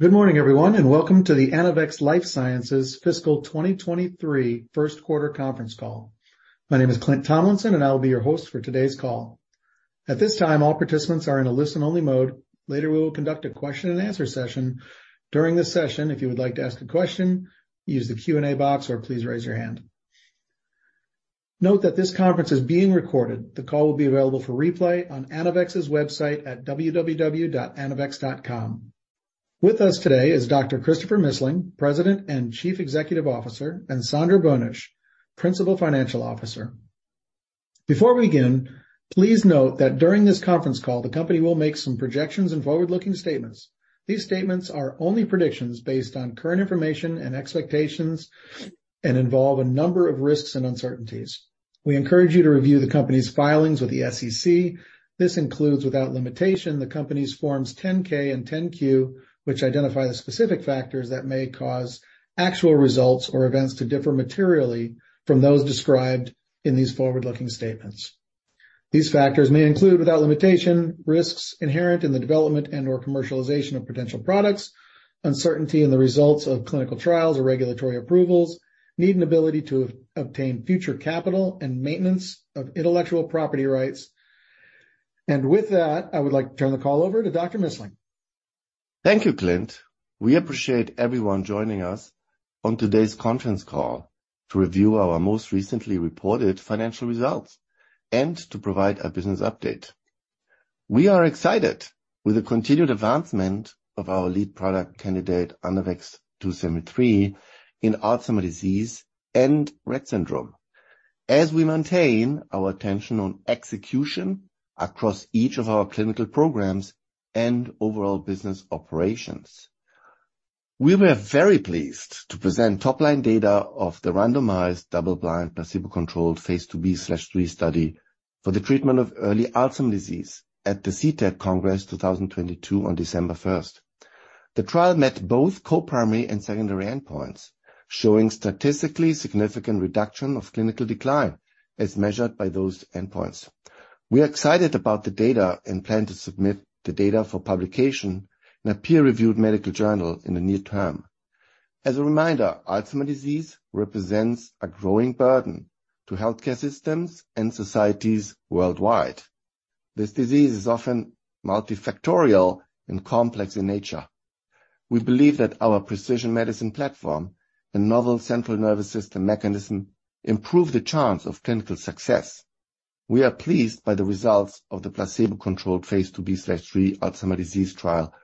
Good morning, everyone, and welcome to the Anavex Life Sciences Fiscal 2023 first quarter conference call. My name is Clint Tomlinson, and I'll be your host for today's call. At this time, all participants are in a listen-only mode. Later, we will conduct a question and answer session. During the session, if you would like to ask a question, use the Q&A box or please raise your hand. Note that this conference is being recorded. The call will be available for replay on Anavex's website at www.anavex.com. With us today is Dr. Christopher Missling, President and Chief Executive Officer, and Sandra Boenisch, Principal Financial Officer. Before we begin, please note that during this conference call, the company will make some projections and forward-looking statements. These statements are only predictions based on current information and expectations and involve a number of risks and uncertainties. We encourage you to review the company's filings with the SEC. This includes, without limitation, the company's forms 10-K and 10-Q, which identify the specific factors that may cause actual results or events to differ materially from those described in these forward-looking statements. These factors may include, without limitation, risks inherent in the development and/or commercialization of potential products, uncertainty in the results of clinical trials or regulatory approvals, need and ability to obtain future capital and maintenance of intellectual property rights. With that, I would like to turn the call over to Dr. Missling. Thank you, Clint Tomlinson. We appreciate everyone joining us on today's conference call to review our most recently reported financial results and to provide a business update. We are excited with the continued advancement of our lead product candidate, ANAVEX 2-73, in Alzheimer's disease and Rett syndrome as we maintain our attention on execution across each of our clinical programs and overall business operations. We were very pleased to present top-line data of the randomized double-blind placebo-controlled phase IIb/III study for the treatment of early Alzheimer's disease at the CTAD Congress 2022 on December first. The trial met both co-primary and secondary endpoints, showing statistically significant reduction of clinical decline as measured by those endpoints. We are excited about the data and plan to submit the data for publication in a peer-reviewed medical journal in the near term. As a reminder, Alzheimer's disease represents a growing burden to healthcare systems and societies worldwide. This disease is often multifactorial and complex in nature. We believe that our precision medicine platform and novel central nervous system mechanism improve the chance of clinical success. We are pleased by the results of the placebo-controlled Phase 2b/3 Alzheimer's disease trial,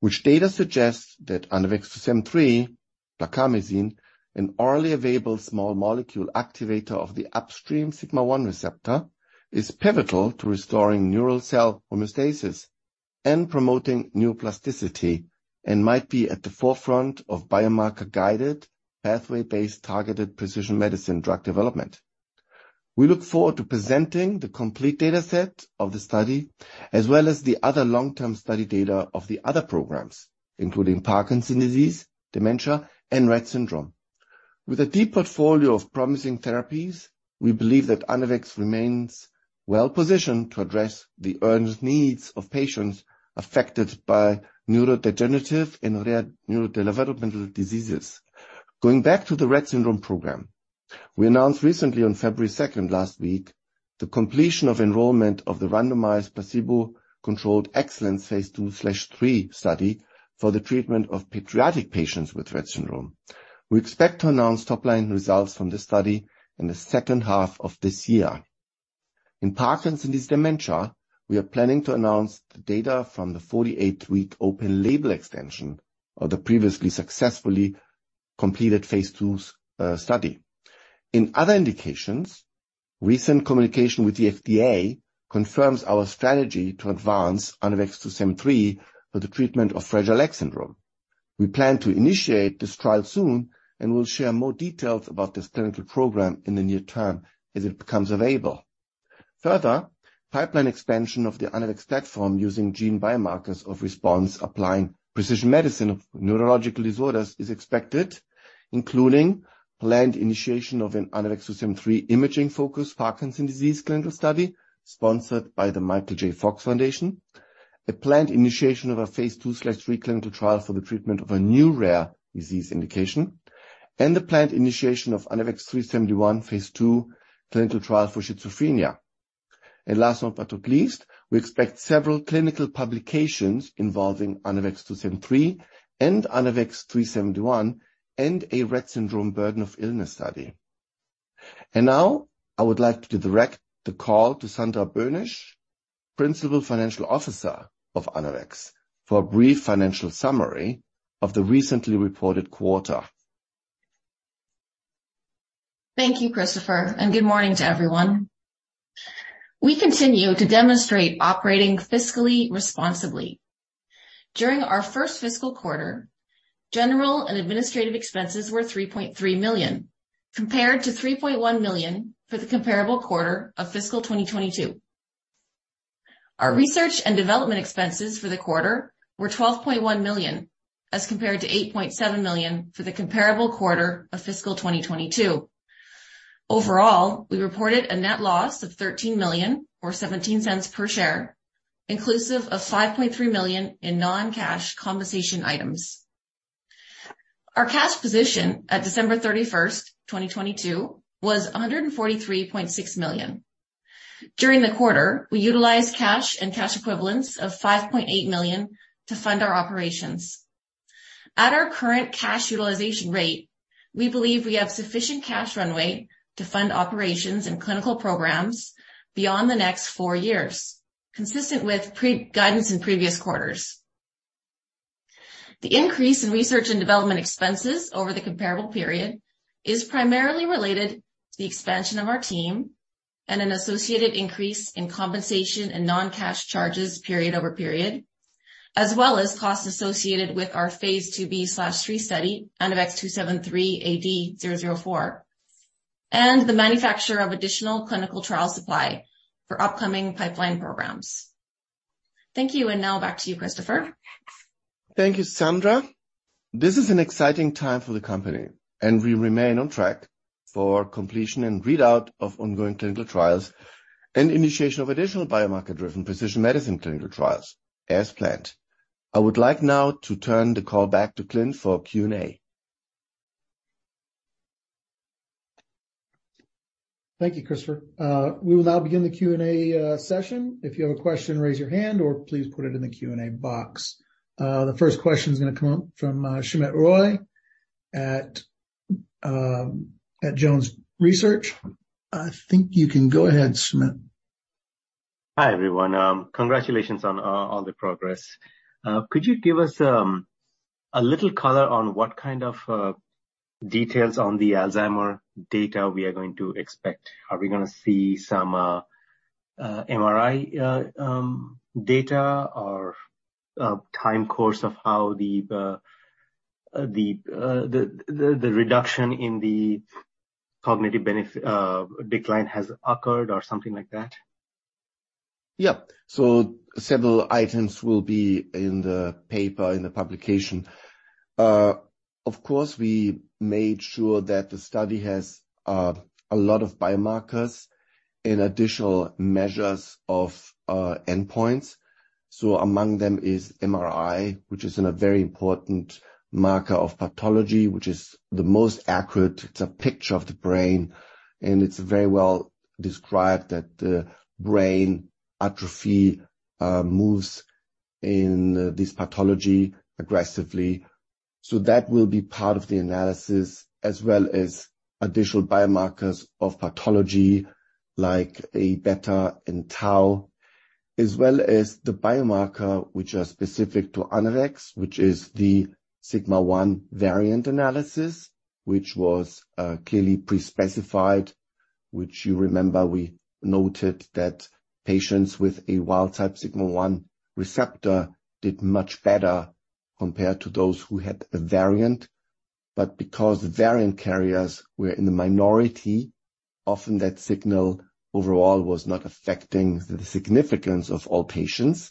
which data suggests that ANAVEX 2-73, blarcamesine, an orally available small molecule activator of the upstream Sigma-1 receptor, is pivotal to restoring neural cell homeostasis and promoting neuroplasticity and might be at the forefront of biomarker-guided, pathway-based targeted precision medicine drug development. We look forward to presenting the complete data set of the study, as well as the other long-term study data of the other programs, including Parkinson's disease dementia and Rett syndrome. With a deep portfolio of promising therapies, we believe that Anavex remains well-positioned to address the urgent needs of patients affected by neurodegenerative and rare neurodevelopmental diseases. Going back to the Rett syndrome program, we announced recently on February 2nd last week, the completion of enrollment of the randomized placebo-controlled EXCELLENCE phase II/III study for the treatment of pediatric patients with Rett syndrome. We expect to announce top-line results from this study in the second half of this year. In Parkinson's disease dementia, we are planning to announce the data from the 48-week open label extension of the previously successfully completed phase II study. In other indications, recent communication with the FDA confirms our strategy to advance ANAVEX 2-73 for the treatment of Fragile X syndrome. We plan to initiate this trial soon and will share more details about this clinical program in the near term as it becomes available. Further, pipeline expansion of the Anavex platform using gene biomarkers of response applying precision medicine of neurological disorders is expected, including planned initiation of an ANAVEX 2-73 imaging-focused Parkinson's disease clinical study sponsored by The Michael J. Fox Foundation, a planned initiation of a phase II/III clinical trial for the treatment of a new rare disease indication, and the planned initiation of ANAVEX 3-71 phase II clinical trial for schizophrenia. Last but not least, we expect several clinical publications involving ANAVEX 2-73 and ANAVEX 3-71 and a Rett syndrome burden of illness study. Now I would like to direct the call to Sandra Boenisch, Principal Financial Officer of Anavex, for a brief financial summary of the recently reported quarter. Thank you, Christopher. Good morning to everyone. We continue to demonstrate operating fiscally responsibly. During our first fiscal quarter, general and administrative expenses were $3.3 million, compared to $3.1 million for the comparable quarter of fiscal 2022. Our research and development expenses for the quarter were $12.1 million, as compared to $8.7 million for the comparable quarter of fiscal 2022. Overall, we reported a net loss of $13 million or $0.17 per share, inclusive of $5.3 million in non-cash compensation items. Our cash position at December 31st, 2022 was $143.6 million. During the quarter, we utilized cash and cash equivalents of $5.8 million to fund our operations. At our current cash utilization rate, we believe we have sufficient cash runway to fund operations and clinical programs beyond the next four years, consistent with pre-guidance in previous quarters. The increase in research and development expenses over the comparable period is primarily related to the expansion of our team and an associated increase in compensation and non-cash charges period over period, as well as costs associated with our phase IIb/III study, ANAVEX2-73-AD-004, and the manufacture of additional clinical trial supply for upcoming pipeline programs. Thank you. Now back to you, Christopher. Thank you, Sandra. This is an exciting time for the company and we remain on track for completion and readout of ongoing clinical trials and initiation of additional biomarker-driven precision medicine clinical trials as planned. I would like now to turn the call back to Clint for Q&A. Thank you, Christopher. We will now begin the Q&A session. If you have a question, raise your hand or please put it in the Q&A box. The first question is gonna come from Soumit Roy at JonesTrading. I think you can go ahead, Soumit. Hi, everyone. Congratulations on the progress. Could you give us a little color on what kind of details on the Alzheimer's disease data we are going to expect? Are we going to see some MRI data or time course of how the reduction in the cognitive decline has occurred or something like that? Several items will be in the paper, in the publication. Of course, we made sure that the study has a lot of biomarkers and additional measures of endpoints. Among them is MRI, which is a very important marker of pathology, which is the most accurate. It's a picture of the brain, and it's very well described that the brain atrophy moves in this pathology aggressively. That will be part of the analysis, as well as additional biomarkers of pathology like Aβ and tau, as well as the biomarker which are specific to Anavex, which is the Sigma-1 variant analysis, which was clearly pre-specified. You remember we noted that patients with a wild-type Sigma-1 receptor did much better compared to those who had a variant. Because variant carriers were in the minority, often that signal overall was not affecting the significance of all patients.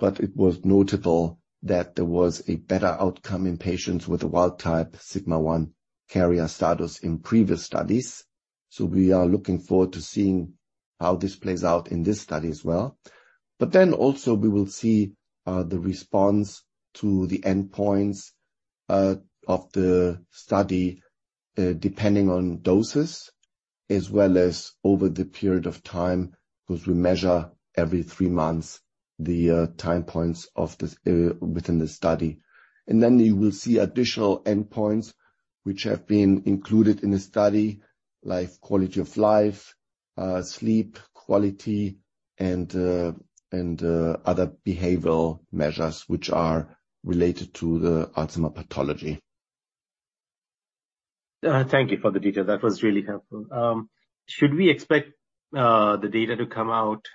It was notable that there was a better outcome in patients with a wild-type Sigma-1 carrier status in previous studies. We are looking forward to seeing how this plays out in this study as well. Also we will see the response to the endpoints of the study depending on doses, as well as over the period of time, because we measure every three months the time points of this within the study. You will see additional endpoints which have been included in the study, like quality of life, sleep quality and other behavioral measures which are related to the Alzheimer pathology. Thank you for the detail. That was really helpful. Should we expect the data to come out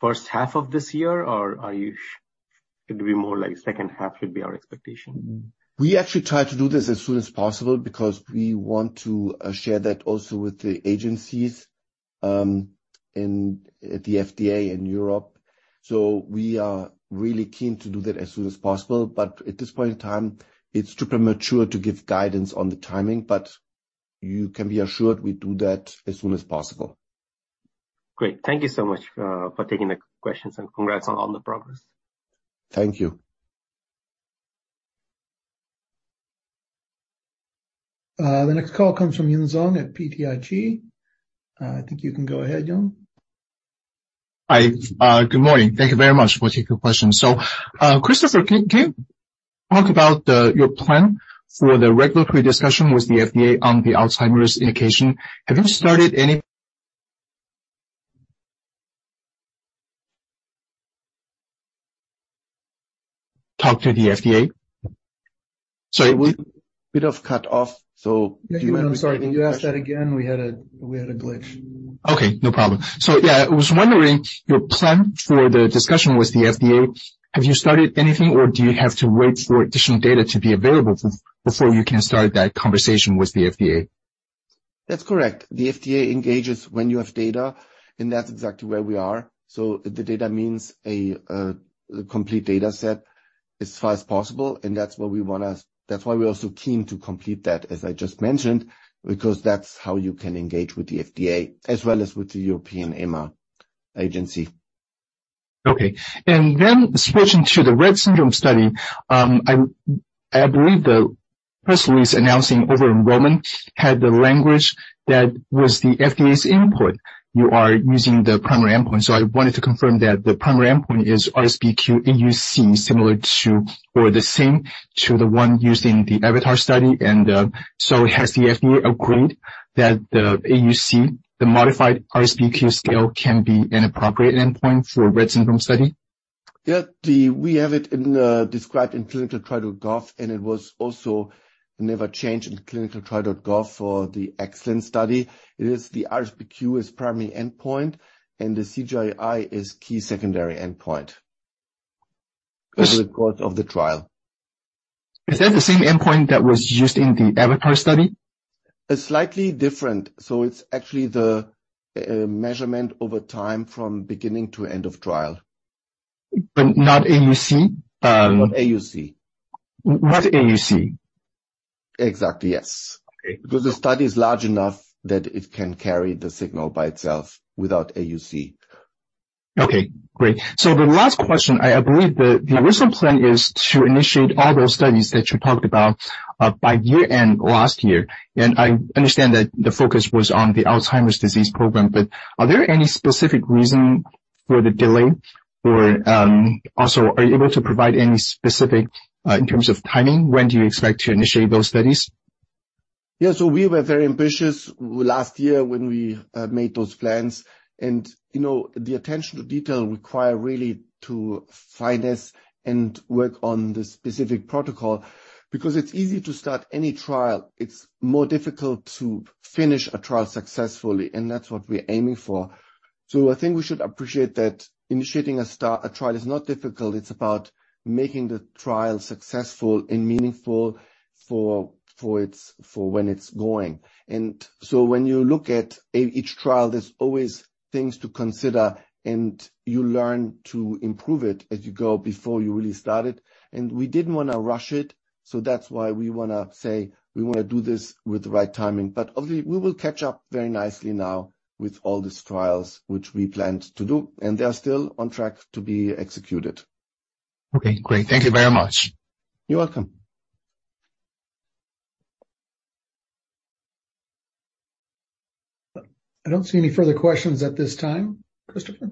first half of this year, or it'll be more like second half would be our expectation? We actually try to do this as soon as possible because we want to share that also with the agencies at the FDA in Europe. We are really keen to do that as soon as possible. At this point in time, it's too premature to give guidance on the timing, but you can be assured we do that as soon as possible. Great. Thank you so much, for taking the questions and congrats on all the progress. Thank you. The next call comes from Yun Zhong at BTIG. I think you can go ahead, Yun. Hi. Good morning. Thank you very much. We'll take your question. Christopher, can you talk about your plan for the regulatory discussion with the FDA on the Alzheimer's indication? Talk to the FDA? Sorry, Bit of cut off, so do you mind repeating the question? I'm sorry. Can you ask that again? We had a glitch. No problem. Yeah, I was wondering your plan for the discussion with the FDA, have you started anything or do you have to wait for additional data to be available before you can start that conversation with the FDA? That's correct. The FDA engages when you have data and that's exactly where we are. The data means a complete data set. As far as possible, that's why we're also keen to complete that, as I just mentioned, because that's how you can engage with the FDA as well as with the European EMA agency. Switching to the Rett syndrome study, I believe the press release announcing over-enrollment had the language that was the FDA's input. You are using the primary endpoint. I wanted to confirm that the primary endpoint is RSBQ AUC similar to or the same to the one used in the AVATAR study. Has the FDA agreed that the AUC, the modified RSBQ scale, can be an appropriate endpoint for a Rett syndrome study? We have it in described in ClinicalTrials.gov, and it was also never changed in ClinicalTrials.gov for the EXCELLENCE study. It is the RSBQ is primary endpoint, and the CGI is key secondary endpoint over the course of the trial. Is that the same endpoint that was used in the AVATAR study? It's slightly different, so it's actually the measurement over time from beginning to end of trial. not AUC? Not AUC. Not AUC. Exactly, yes. Okay. The study is large enough that it can carry the signal by itself without AUC. Okay, great. The last question, I believe the original plan is to initiate all those studies that you talked about, by year-end last year. I understand that the focus was on the Alzheimer's disease program, but are there any specific reason for the delay? Also, are you able to provide any specific, in terms of timing, when do you expect to initiate those studies? Yeah. We were very ambitious last year when we made those plans. You know, the attention to detail require really to finesse and work on the specific protocol because it's easy to start any trial. It's more difficult to finish a trial successfully, and that's what we're aiming for. I think we should appreciate that initiating a trial is not difficult. It's about making the trial successful and meaningful for its, for when it's going. When you look at each trial, there's always things to consider, and you learn to improve it as you go before you really start it. We didn't wanna rush it, so that's why we wanna say we wanna do this with the right timing. Obviously, we will catch up very nicely now with all these trials which we planned to do, and they are still on track to be executed. Okay. Great. Thank you very much. You're welcome. I don't see any further questions at this time. Christopher?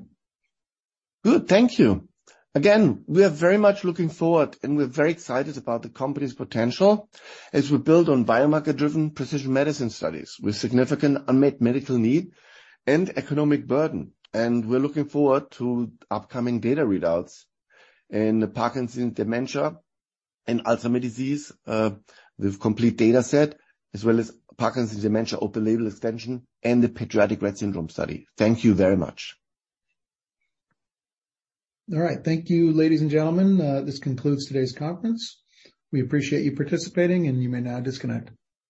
Good. Thank you. Again, we are very much looking forward, and we're very excited about the company's potential as we build on biomarker-driven precision medicine studies with significant unmet medical need and economic burden. We're looking forward to upcoming data readouts in Parkinson's dementia and Alzheimer's disease, with complete data set, as well as Parkinson's dementia open label extension and the pediatric Rett syndrome study. Thank you very much. All right. Thank you, ladies and gentlemen. This concludes today's conference. We appreciate you participating, and you may now disconnect.